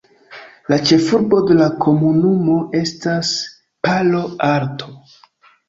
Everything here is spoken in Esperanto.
La ĉefurbo de la komunumo estas Palo Alto.